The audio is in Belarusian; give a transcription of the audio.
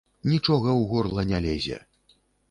Нічога ў горла не лезе.